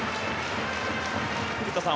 古田さん。